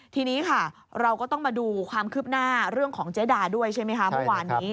ทีนี้ค่ะเราก็ต้องมาดูความคืบหน้าเรื่องของเจ๊ดาด้วยใช่ไหมคะเมื่อวานนี้